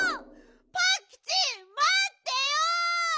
パンキチまってよ！